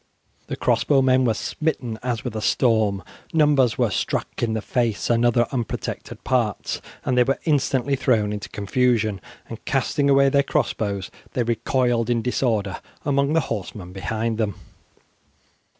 The crossbow men were smitten as with a storm, numbers were struck in the face and other unprotected parts, and they were instantly thrown into confusion, and casting away their cross bows they recoiled in disorder among the horsemen behind them.